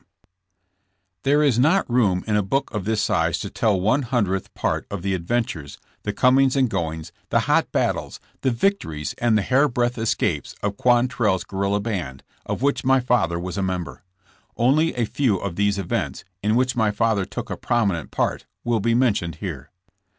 38 jnssn JAMES, There is not room in a book of this size to tell one hundredth part of the adventures, the comings and goings, the hot battles, the victories and the hair breadth escapes of Quantrell's guerrilla band, of which my father was a member. Only a few of these events, in which my father took a prominent part will be mentioned here.